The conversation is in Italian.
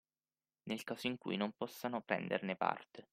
Nel caso in cui non possano prenderne parte